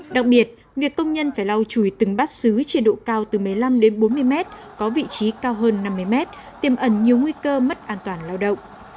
đặc biệt việc công nhân phải lau chùi từng bát xứ trên độ cao từ một mươi năm đến bốn mươi mét có vị trí cao hơn năm mươi mét tiềm ẩn nhiều nguy cơ mất an toàn lao động